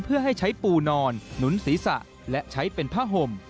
เพื่อให้ใช้ปูนอนหนุนศีรษะและใช้เป็นผ้าห่ม